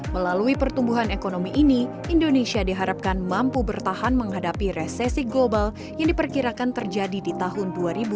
melalui pertumbuhan ekonomi ini indonesia diharapkan mampu bertahan menghadapi resesi global yang diperkirakan terjadi di tahun dua ribu dua puluh